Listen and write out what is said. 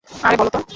আরে বলো তো।